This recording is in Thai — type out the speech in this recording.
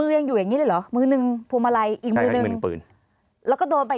ยังอยู่แบบนี้เลยหรอมือหนึ่งพวงมาลัยอีกมือหนึ่งพื้นแล้วก็โดนไป